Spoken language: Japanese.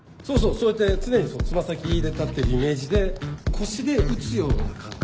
そうやって常にそう爪先で立ってるイメージで腰で打つような感覚で。